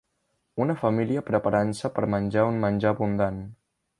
Una família preparant-se per menjar un menjar abundant.